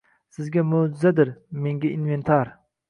Sizga mo»jizadir, menga – inventar`.